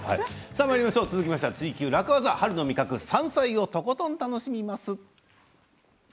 さあまいりましょう続きましては「ツイＱ楽ワザ」春の味覚山菜をとことん楽しみます。